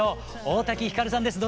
大滝ひかるさんです